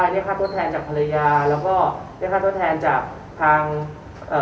ได้ค่าทดแทนจากภรรยาแล้วก็ได้ค่าทดแทนจากทางเอ่อ